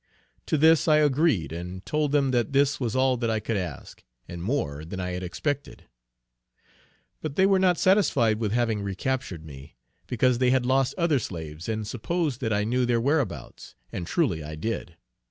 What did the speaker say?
To this I agreed, and told them that this was all that I could ask, and more than I had expected. But they were not satisfied with having recaptured me, because they had lost other slaves and supposed that I knew their whereabouts; and truly I did.